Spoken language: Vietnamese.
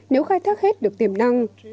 nếu khai thác hết được tiềm năng